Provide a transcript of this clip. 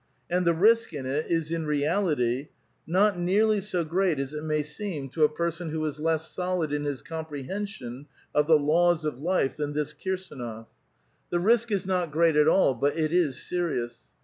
And the risk in it is, in reality, not nearly so great as it may seem to a person who is less solid in his comprehension of the laws of life than this Kirsdnof. A VITAL QUESTION, 411 The risk is not great at all, but it is serious.